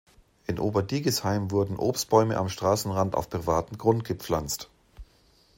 In Oberdigisheim wurden Obstbäume am Straßenrand auf privatem Grund gepflanzt.